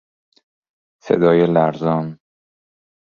صدای لرزان